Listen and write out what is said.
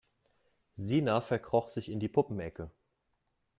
Sina verkroch sich in die Puppenecke.